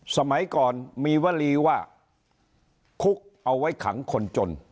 สมัยก่อนมีวลีว่าคุกเอาไว้ขังคนจน